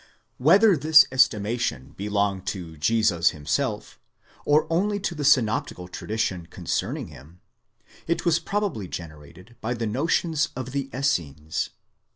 Whether this estimation belong to Jesus himself, or only to the synoptical tradition concerning him, it was probably generated by the notions of the Essenes.